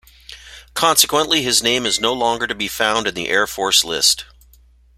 Consequently, his name is no longer to be found in the Air Force List.